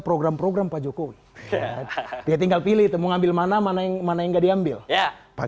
program program pak jokowi ya tinggal pilih mau ngambil mana mana yang mana yang enggak diambil ya pak